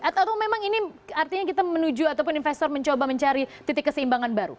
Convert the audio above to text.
atau memang ini artinya kita menuju ataupun investor mencoba mencari titik keseimbangan baru